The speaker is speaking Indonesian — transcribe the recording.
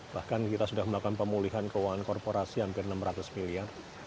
bahkan kita sudah melakukan pemulihan keuangan korporasi hampir enam ratus miliar